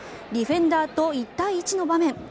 ディフェンダーと１対１の場面。